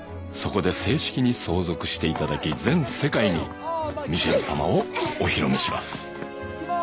そこで正式に相続していただき全世界にミシェルさまをお披露目します。